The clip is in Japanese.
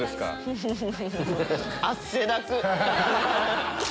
フフフフ！